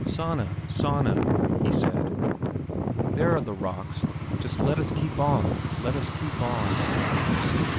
"Sanna, Sanna," he said, "there are the rocks, just let us keep on, let us keep on."